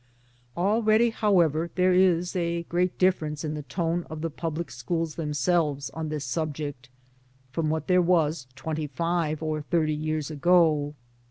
Already however there is a great differ ence in the tone of the public schools themselves on this subject, from what there was twenty five or thirty years ago.